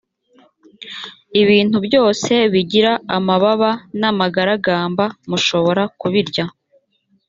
ibintu byose bigira amababa n’ amagaragamba mushobora kubirya